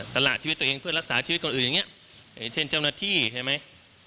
ละชีวิตตัวเองเพื่อรักษาชีวิตคนอื่นอย่างนี้อย่างเช่นเจ้าหน้าที่ใช่ไหม